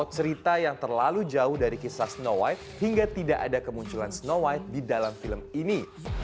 tapi film ini juga menunjukkan cerita yang terlalu jauh dari kisah snow white hingga tidak ada kemunculan snow white di dalam film ini